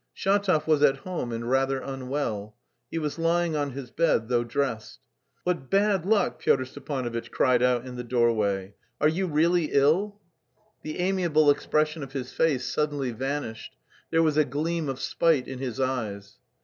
Shatov was at home and rather unwell. He was lying on his bed, though dressed. "What bad luck!" Pyotr Stepanovitch cried out in the doorway. "Are you really ill?" The amiable expression of his face suddenly vanished; there was a gleam of spite in his eyes.